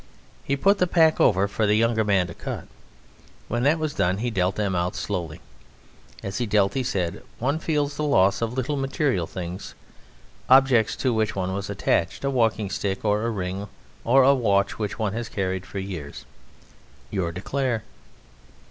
He put the pack over for the younger man to cut. When that was done he dealt them out slowly. As he dealt he said: "One feels the loss of little material things: objects to which one was attached, a walking stick, or a ring, or a watch which one has carried for years. Your declare."